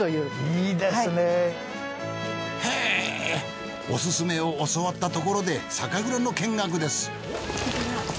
へぇおすすめを教わったところで酒蔵の見学です。